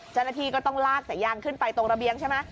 เจ้าหน้าที่ก็ต้องลากสายยางขึ้นไปตรงระเบียงใช่ไหม